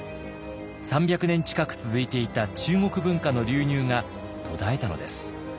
３００年近く続いていた中国文化の流入が途絶えたのです。